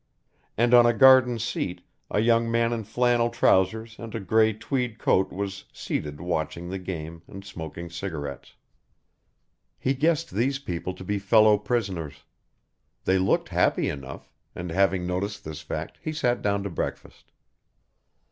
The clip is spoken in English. And on a garden seat a young man in flannel trousers and a grey tweed coat was seated watching the game and smoking cigarettes. He guessed these people to be fellow prisoners. They looked happy enough, and having noticed this fact he sat down to breakfast.